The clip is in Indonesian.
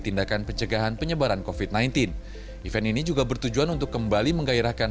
tindakan pencegahan penyebaran kofit sembilan belas event ini juga bertujuan untuk kembali menggairahkan